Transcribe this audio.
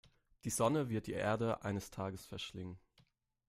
Die Sonne wird die Erde eines Tages verschlingen.